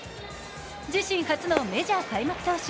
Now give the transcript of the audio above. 自身初のメジャー開幕投手